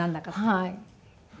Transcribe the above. はい。